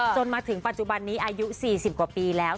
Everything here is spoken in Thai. จนถึงปัจจุบันนี้อายุ๔๐กว่าปีแล้ว